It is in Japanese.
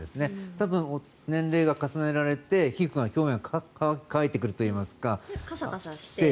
多分、年齢を重ねられて皮膚の表面が乾いてくるといいますか。